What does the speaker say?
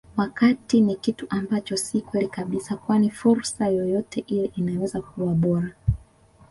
wakati ni kitu ambacho si kweli kabisa kwani fursa yeyote ile inaweza kuwa bora